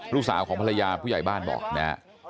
ลูกสาวของภรรยาผู้ใหญ่บ้านบอกนะฮะ